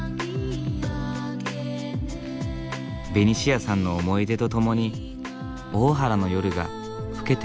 ベニシアさんの思い出とともに大原の夜が更けていく。